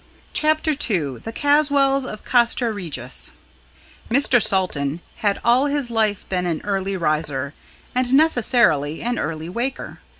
CHAPTER II THE CASWALLS OF CASTRA REGIS Mr. Salton had all his life been an early riser, and necessarily an early waker.